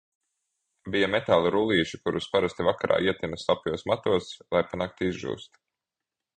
Bija metāla rullīši, kurus parasti vakarā ietina slapjos matos, lai pa nakti izžūst.